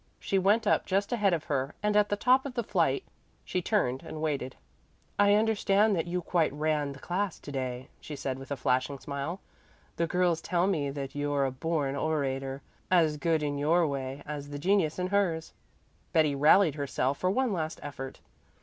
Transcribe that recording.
She went up just ahead of her and at the top of the flight she turned and waited. "I understand that you quite ran the class to day," she said with a flashing smile. "The girls tell me that you're a born orator, as good in your way as the genius in hers." Betty rallied herself for one last effort.